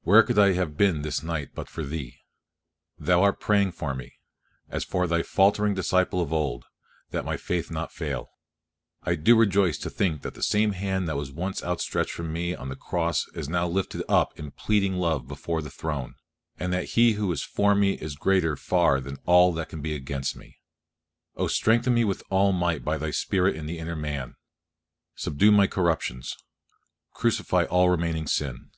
where could I have been this night but for Thee? Thou art praying for me, as for Thy faltering disciple of old, that my faith fail not. I do rejoice to think that the same hand that was once outstretched for me on the cross is now lifted up in pleading love before the Throne, and that He who is for me is greater far than all that can be against me! Oh strengthen me with all might by Thy Spirit in the inner man. Subdue my corruptions, crucify all remaining sin.